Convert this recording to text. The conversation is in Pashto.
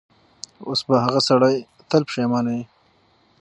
اوس به هغه سړی تل پښېمانه وي.